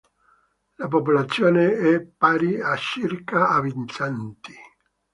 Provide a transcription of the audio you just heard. La popolazione è pari a circa abitanti.